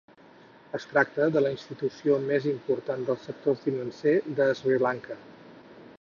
Es tracta de la institució més important del sector financer de Sri Lanka.